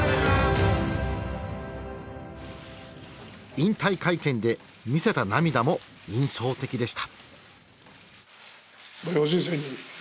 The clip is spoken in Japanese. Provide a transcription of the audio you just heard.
引退会見で見せた涙も印象的でした。